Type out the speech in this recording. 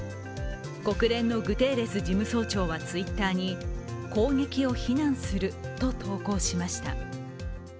国連のグテーレス事務総長はＴｗｉｔｔｅｒに攻撃を非難すると投稿しました。